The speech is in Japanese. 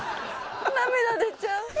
涙出ちゃう。